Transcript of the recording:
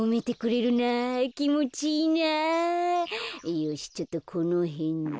よしちょっとこのへんで。